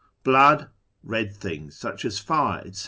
Jilood. ]{e(l tilings, such as fire, etc.